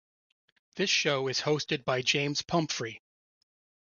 This show is hosted by James Pumphrey.